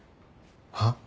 はっ？